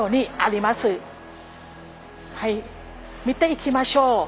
見ていきましょう。